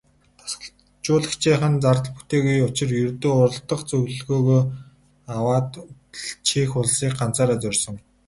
Дасгалжуулагчийнх нь зардал бүтээгүй учир ердөө уралдах зөвлөгөөгөө аваад л Чех улсыг ганцаараа зорьсон.